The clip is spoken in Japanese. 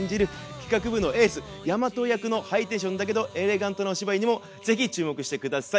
企画部のエース大和役のハイテンションだけどエレガントなお芝居にも是非注目して下さい。